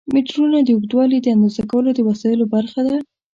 میټرونه د اوږدوالي د اندازه کولو د وسایلو برخه ده.